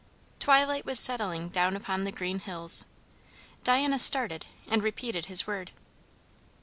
Twilight was settling down upon the green hills. Diana started and repeated his word.